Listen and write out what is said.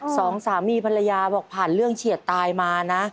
สองสามีภรรยาบอกผ่านเรื่องเฉียดตายมานะ